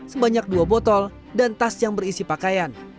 sebanyak dua botol dan tas yang berisi pakaian